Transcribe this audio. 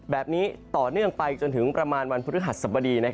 แบบนี้ต่อเนื่องไปจนถึงประมาณวันพฤหัสสบดี